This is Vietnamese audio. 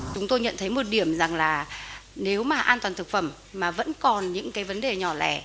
chúng tôi nhận thấy một điểm rằng là nếu mà an toàn thực phẩm mà vẫn còn những cái vấn đề nhỏ lẻ